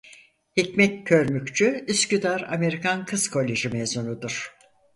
Hikmet Körmükçü Üsküdar Amerikan Kız Koleji mezunudur.